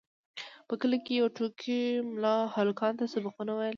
په کلي کې یو ټوکي ملا هلکانو ته سبقونه ویل.